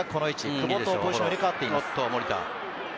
久保とポジションを入れ替わっています。